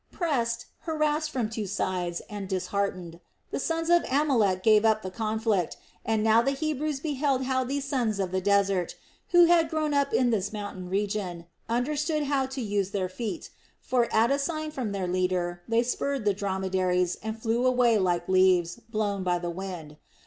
Pressed, harassed from two sides, and disheartened, the sons of Amalek gave up the conflict and now the Hebrews beheld how these sons of the desert, who had grown up in this mountain region, understood how to use their feet; for at a sign from their leader they spurred the dromedaries and flew away like leaves blown by the wind.